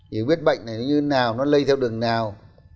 hiểu biết bệnh này nó như thế nào nó lây theo đường nào